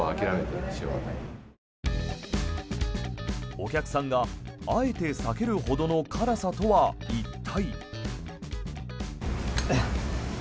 お客さんがあえて避けるほどの辛さとは一体？